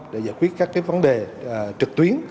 để giải quyết các vấn đề